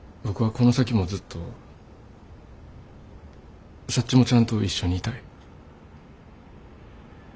僕はこの先もずっとサッチモちゃんと一緒にいたい。